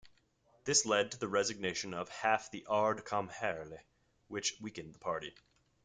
This led to the resignation of half the "Ard Comhairle", which weakened the party.